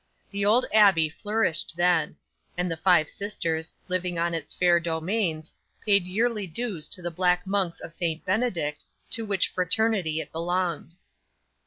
The old abbey flourished then; and the five sisters, living on its fair domains, paid yearly dues to the black monks of St Benedict, to which fraternity it belonged.